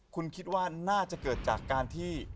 คุณคิดว่าน่าจะเกิดจากการที่